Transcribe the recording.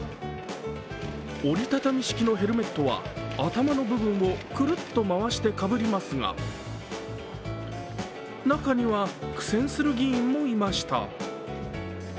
折り畳み式のヘルメットは頭の部分をくるっと回してかぶりますが中には苦戦する議員もいました。